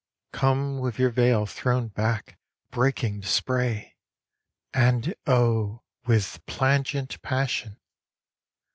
_ _Come with your veil thrown back, breaking to spray! And oh, with plangent passion!